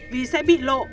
vì sẽ bị lộ